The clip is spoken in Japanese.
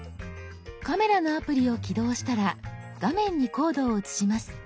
カメラのアプリを起動したら画面にコードを写します。